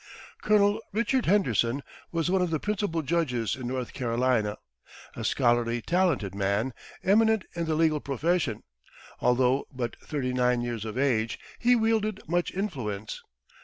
Colonel Richard Henderson was one of the principal judges in North Carolina, a scholarly, talented man, eminent in the legal profession; although but thirty nine years of age, he wielded much influence.